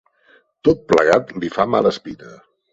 Tot plegat li fa mala espina.